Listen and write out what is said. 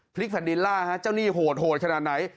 พลิกแฟนดิลล่าฮะเจ้านี่โหดโหดขนาดไหน